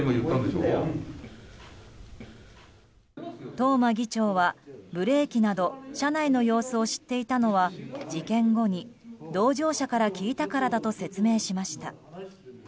東間議長はブレーキなど車内の様子を知っていたのは事件後に、同乗者から聞いたからだと説明しました。